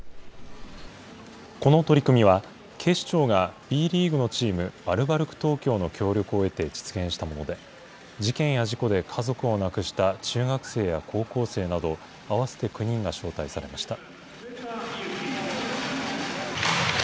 この取り組みは、警視庁がＢリーグのチーム、アルバルク東京の協力を得て実現したもので、事件や事故で家族を亡くした中学生や高校生など、合わせて９人が招待されました。